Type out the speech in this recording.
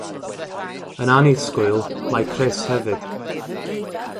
Yn annisgwyl, mae Chris hefyd.